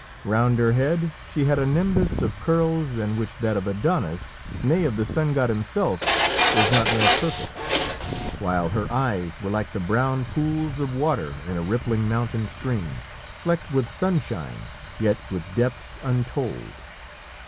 Round her head she had a nimbus of curls than which that of Adonis nay, of the sun god himself, was not more perfect, while her eyes were like the brown pools of water in a rippling mountain stream, flecked with sunshine, yet with depths untold.